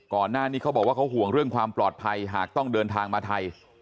เขาบอกว่าเขาห่วงเรื่องความปลอดภัยหากต้องเดินทางมาไทย